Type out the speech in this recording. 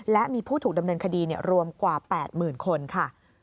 และมีผู้ถูกดำเนินคดีรวมกว่า๘๐๐๐คนค่ะ